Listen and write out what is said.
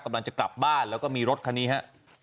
กำลังจะกลับบ้านและมีรถค่ณี้ครับ